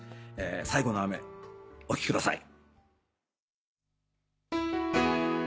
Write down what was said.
『最後の雨』お聴きください。